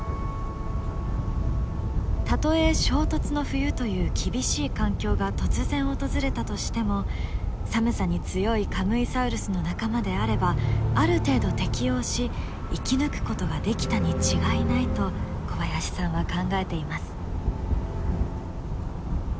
たとえ衝突の冬という厳しい環境が突然訪れたとしても寒さに強いカムイサウルスの仲間であればある程度適応し生き抜くことができたに違いないと小林さんは考えています。